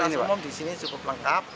fasilitas umum disini cukup lengkap